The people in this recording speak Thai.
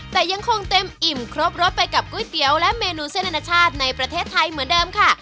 แต่ยังคงเต็มอิ่มครบรสไปกับก๋วยเตี๋ยวและเมนูเส้นอนาชาติในประเทศไทยเหมือนเดิมค่ะ